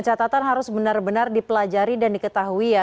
catatan harus benar benar dipelajari dan diketahui ya